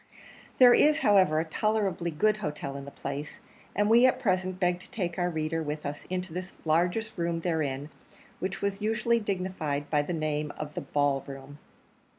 There is, however, a tolerably good hotel in the place, and we at present beg to take our reader with us into the largest room therein, which was usually dignified by the name of the Ball Room.